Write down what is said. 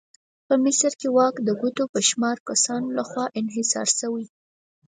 په مصر کې واک د ګوتو په شمار کسانو لخوا انحصار شوی.